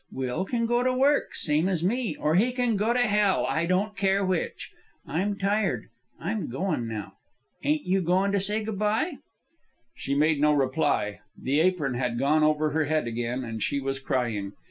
Will can go to work, same as me, or he can go to hell, I don't care which. I'm tired. I'm goin' now. Ain't you goin' to say goodbye?" She made no reply. The apron had gone over her head again, and she was crying.